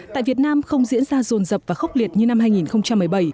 tại việt nam không diễn ra rồn rập và khốc liệt như năm hai nghìn một mươi bảy